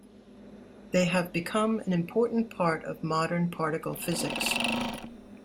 They have become an important part of modern particle physics.